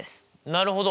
なるほど。